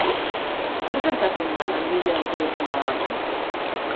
Zer gertatzen da langilea oporretan badago?